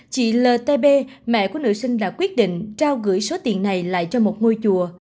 chị l t b mẹ của nữ sinh đã quyết định trao gửi số tiền này lại cho một ngôi chùa